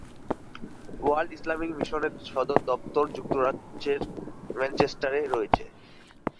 World Islamic মিশনের সদর দফতর যুক্তরাজ্যের ম্যানচেস্টারে রয়েছে।